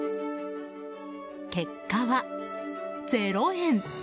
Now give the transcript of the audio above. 結果は０円。